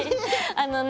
あのね